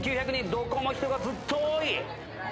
どこも人がずっと多い。